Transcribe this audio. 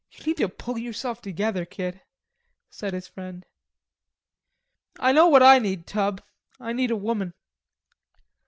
"You need to pull yourself together, kid," said his friend. "I know what I need, Tub. I need a woman."